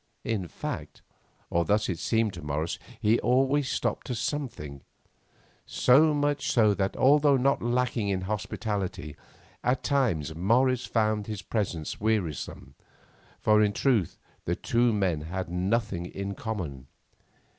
In fact, or thus it seemed to Morris, he always stopped to something, so much so that although not lacking in hospitality, at times Morris found his presence wearisome, for in truth the two men had nothing in common.